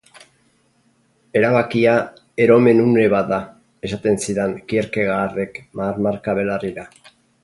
Erabakia eromen-une bat da, esaten zidan Kierkegaardek marmarka belarrira.